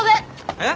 えっ！？